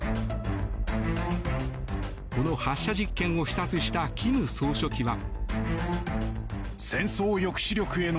この発射実験を視察した金総書記は。